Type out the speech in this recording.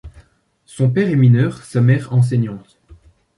Son père est mineur, sa mère enseignante.